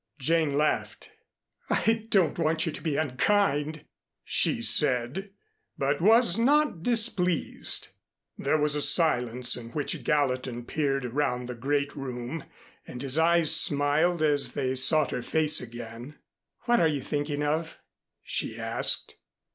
Jane laughed. "I don't want you to be unkind," she said, but was not displeased. There was a silence in which Gallatin peered around the great room and his eyes smiled as they sought her face again. "What are you thinking of?" she asked.